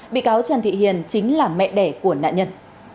bị cáo trần thị hiền chính là mẹ đẻ của nạn nhân